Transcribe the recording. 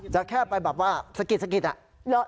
จะแค่ไปแบบว่าสกิดน่ะ